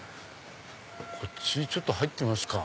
こっち入ってみますか。